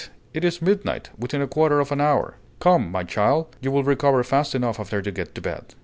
it is midnight, within a quarter of an hour! Come, my child; you will recover fast enough after you get to bed."